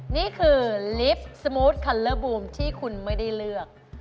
นี่คือลิฟต์สมูเลยลูมละอย่างที่คุณไม่ได้เลือก